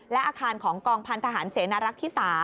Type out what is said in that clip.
และอาคารของกองพันธหารเสนารักษ์ที่๓